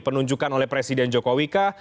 penunjukan oleh presiden jokowi kah